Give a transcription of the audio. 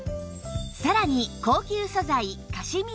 さらに高級素材カシミアも